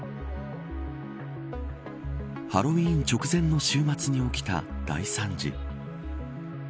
ハロウィーン直前の週末に起きた大惨事。